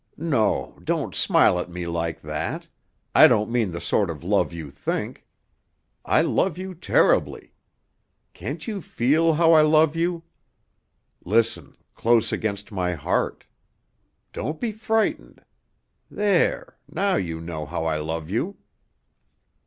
"No, don't smile at me like that; I don't mean the sort of love you think. I love you terribly. Can't you feel how I love you? Listen, close against my heart. Don't be frightened. There, now you know how I love you!"